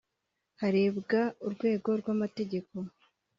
harebwa urwego rw’amategeko